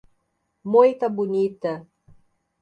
Moita Bonita